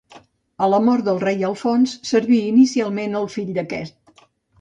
A la mort del rei Alfons serví inicialment el fill d'aquest.